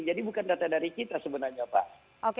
jadi bukan data dari kita sebenarnya pak